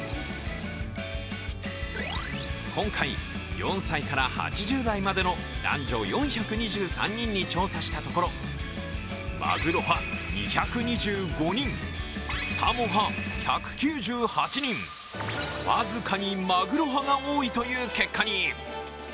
今回４歳から８０代までの男女４２３人に調査したところマグロ派２２５人、サーモン派１９８人、僅かにマグロ派が多いという結果に。